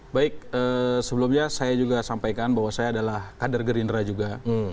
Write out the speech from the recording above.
baik sebelumnya saya juga sampaikan bahwa saya adalah kader gerindra juga